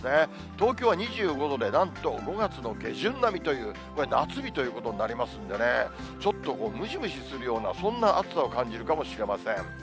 東京は２５度で、なんと５月の下旬並みという、これ、夏日ということになりますんでね、ちょっとむしむしするような、そんな暑さを感じるかもしれません。